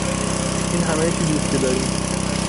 این همه چیزی است که داریم.